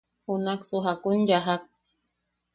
–¿Junaksu jakun yajak?